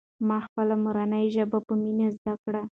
ما خپله مورنۍ ژبه په مینه زده کړه.